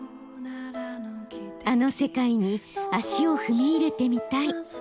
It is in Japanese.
あの世界に足を踏み入れてみたい！